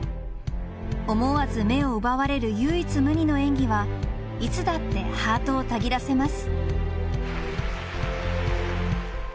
思わず目を奪われる唯一無二の演技はいつだってハートをたぎらせます。